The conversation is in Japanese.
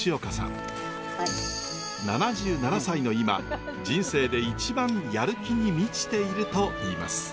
７７歳の今人生で一番やる気に満ちているといいます。